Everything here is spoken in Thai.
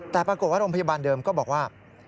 แต่ปรากฏว่าโรงพยาบาลเดิมก็บอกว่า